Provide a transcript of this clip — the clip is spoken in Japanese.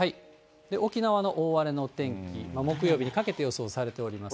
沖縄の大荒れのお天気、木曜日にかけて予想されております。